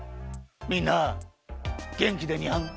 みんなげんきでにゃん！